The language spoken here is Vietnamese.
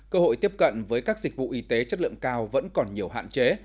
cơ hội tiếp cận với các dịch vụ y tế chất lượng cao vẫn còn nhiều hạn chế